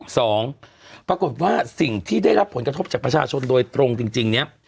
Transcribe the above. ปรากฏว่าสิ่งที่ได้รับผลกระทบจากประชาชนโดยตรงจริงเนี่ย